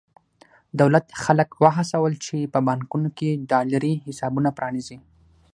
دولت خلک وهڅول چې په بانکونو کې ډالري حسابونه پرانېزي.